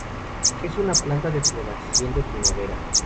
Es una planta de floración de primavera.